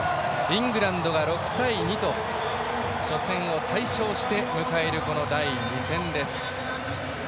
イングランドは６対２と初戦を大勝して迎えるこの第２戦です。